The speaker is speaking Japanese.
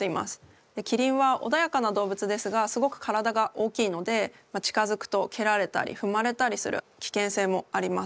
キリンはおだやかな動物ですがすごく体が大きいので近づくとけられたりふまれたりするきけんせいもあります。